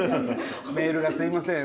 メールがすみません